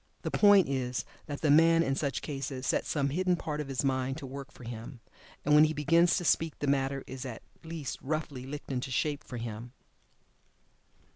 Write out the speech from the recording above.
The point is that the man, in such cases, sets some hidden part of his mind to work for him, and when he begins to speak the matter is at least roughly "licked into shape for him."